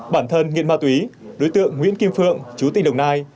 bản thân nghiện ma túy đối tượng nguyễn kim phượng chủ tịch đồng nai